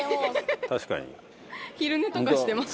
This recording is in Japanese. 昼寝とかしてます。